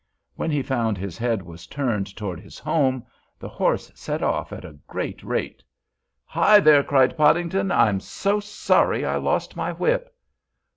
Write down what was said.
When he found his head was turned toward his home, the horse set off at a great rate. "Hi there!" cried Podington. "I am so sorry I lost my whip."